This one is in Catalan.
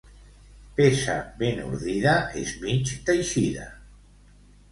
Peça ben ordida és mig teixida.